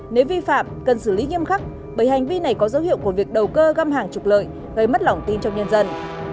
nếu vi phạm cần xử lý nghiêm khắc bởi hành vi này có dấu hiệu của việc đầu cơ găm hàng trục lợi gây mất lòng tin trong nhân dân